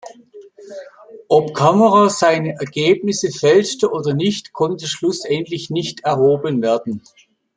Ob Kammerer seine Ergebnisse fälschte oder nicht, konnte schlussendlich nicht erhoben werden.